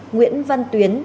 nguyễn văn tuyến